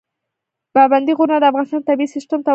پابندی غرونه د افغانستان د طبعي سیسټم توازن ساتي.